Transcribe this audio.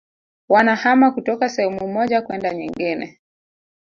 wanahama kutoka sehemu moja kwenda nyingine